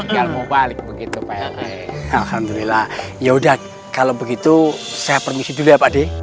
yang mau balik begitu pak alhamdulillah ya udah kalau begitu saya permisi dulu ya pak